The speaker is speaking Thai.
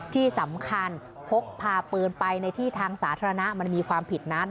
ที่สำคัญพกพาปืนไปในที่ทางสาธารณะมันมีความผิดนั้น